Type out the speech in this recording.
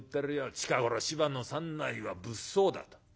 『近頃芝の山内は物騒だ』と。